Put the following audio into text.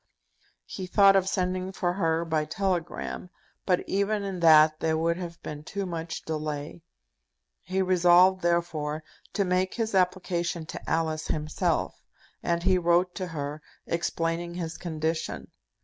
He thought of sending for her by telegram, but even in that there would have been too much delay. He resolved, therefore, to make his application to Alice himself, and he wrote to her, explaining his condition.